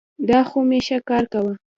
دا خو مي ښه کار کاوه.